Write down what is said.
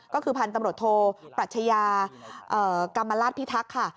ก็คือพันธุ์ตำรวจโทปรัชญากรรมราชพิทักษ์ค่ะ